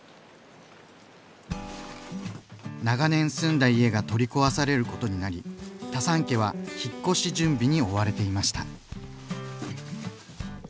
長年住んだ家が取り壊されることになりタサン家は引っ越し準備に追われていました。